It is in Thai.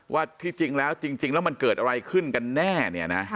ว่าที่จริงแล้วจริงแล้วมันเกิดอะไรขึ้นกันแน่เนี่ยนะ